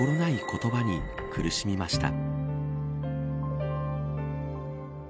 言葉に苦しみました。